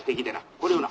これをな